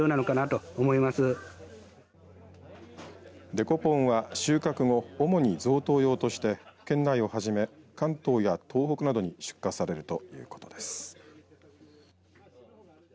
デコポンは収穫後主に贈答用として、県内をはじめ関東や東北などに出荷されるということです。